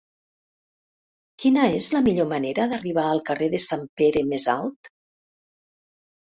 Quina és la millor manera d'arribar al carrer de Sant Pere Més Alt?